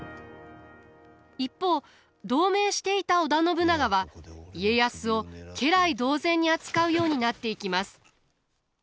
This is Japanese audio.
一方同盟していた織田信長は家康を家来同然に扱うようになっていきます。